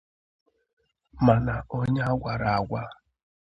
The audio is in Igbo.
mana onye a gwara agwa